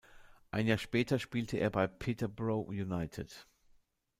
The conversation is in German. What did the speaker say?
Ein Jahr später spielte er bei Peterborough United.